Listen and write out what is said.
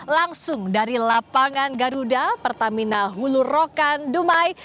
langsung dari lapangan garuda pertamina hulu rokan dumai